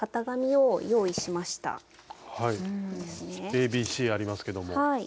ＡＢＣありますけども。